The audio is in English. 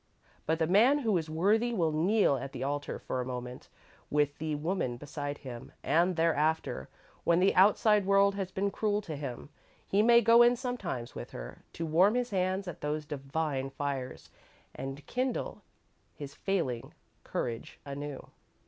But the man who is worthy will kneel at the altar for a moment, with the woman beside him, and thereafter, when the outside world has been cruel to him, he may go in sometimes, with her, to warm his hands at those divine fires and kindle his failing courage anew.